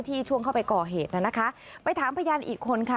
ช่วงเข้าไปก่อเหตุน่ะนะคะไปถามพยานอีกคนค่ะ